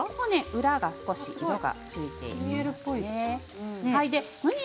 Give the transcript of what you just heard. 裏が少し色がついていますね。